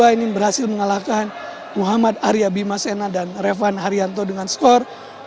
ini berhasil mengalahkan muhammad arya bimasena dan revan haryanto dengan skor dua satu ratus lima belas dua satu ratus dua belas